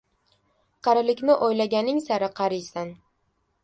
Qarilikni o‘ylaganing sari qariysan